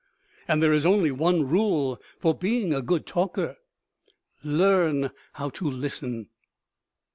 And there is only one rule for being a good talker: learn how to listen.